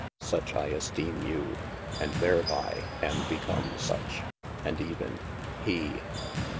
Such I esteeme you, and thereby am become such, and even HE.